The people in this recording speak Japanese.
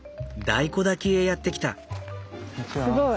大根焚きへやって来た。